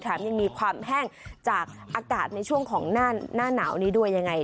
ยังมีความแห้งจากอากาศในช่วงของหน้าหนาวนี้ด้วยยังไง